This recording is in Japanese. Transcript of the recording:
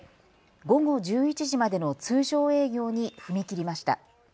午後１１時までの通常営業に踏み切りました。